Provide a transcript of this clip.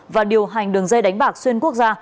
và điều hành đường dây đánh bạc xuyên quốc gia